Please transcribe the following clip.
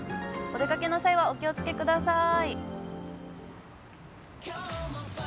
お出かけの際はお気をつけください。